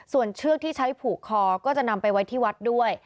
ส่วนเชือกที่ใช้ผูกคอก็จะนำไปไว้ที่วัดด้วย